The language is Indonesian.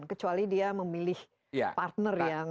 kecuali dia memilih partner yang